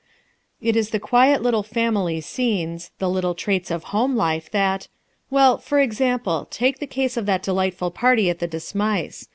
It is the quiet little family scenes, the little traits of home life that well, for example, take the case of that delightful party at the De Smythes.